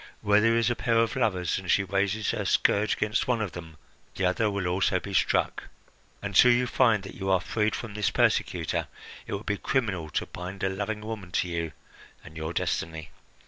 Where there is a pair of lovers, and she raises her scourge against one of them, the other will also be struck. Until you feel that you are freed from this persecutor, it would be criminal to bind a loving woman to you and your destiny.